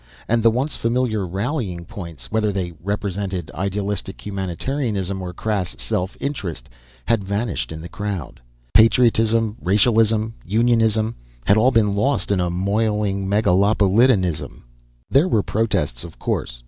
And the once familiar rallying points whether they represented idealistic humanitarianism or crass self interest had vanished in the crowd. Patriotism, racialism, unionism, had all been lost in a moiling megalopolitanism. There were protests, of course.